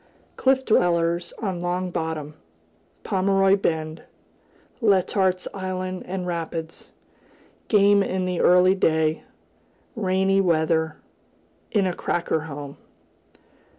Cliff dwellers on Long Bottom Pomeroy Bend Letart's Island and Rapids Game in the early day Rainy weather In a "cracker" home.